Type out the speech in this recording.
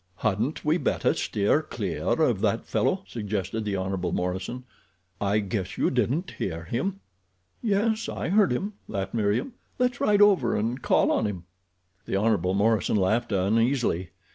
"Hadn't we better steer clear of that fellow?" suggested the Hon. Morison. "I guess you didn't hear him." "Yes, I heard him," laughed Meriem. "Let's ride over and call on him." The Hon. Morison laughed uneasily.